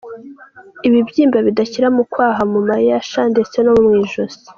Ibibyimba bidakira mu kwaha, mu mayasha ndetse no mw’ijosi.